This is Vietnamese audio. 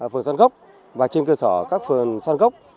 phường xoan gốc và trên cơ sở các phường xoan gốc